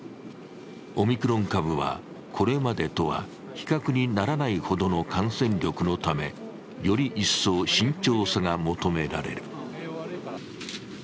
オミクロン株はこれまでとは比較にならないほどの感染力のためより一層、慎重さが求められる。